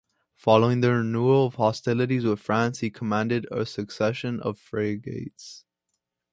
Following the renewal of hostilities with France, he commanded a succession of frigates.